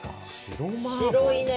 白いね！